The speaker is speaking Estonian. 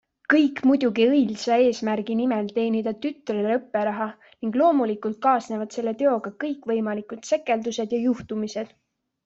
Kõik muidugi õilsa eesmärgi nimel teenida tütrele õpperaha, ning loomulikult kaasnevad selle teoga kõikvõimalikud sekeldused ja juhtumised.